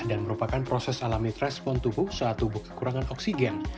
dan merupakan proses alami respon tubuh saat tubuh kekurangan oksigen